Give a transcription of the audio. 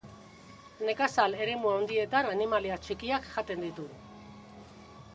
Nekazal eremu handietan animalia txikiak jaten ditu.